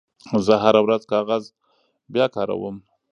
زه هره ورځ کاغذ بیاکاروم.